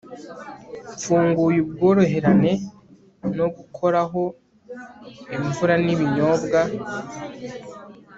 mfunguye ubworoherane no gukoraho imvura n'ibinyobwa